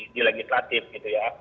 di legislatif gitu ya